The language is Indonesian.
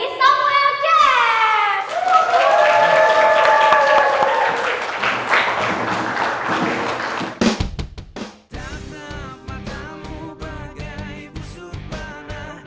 tidak tak matamu bagai busur panah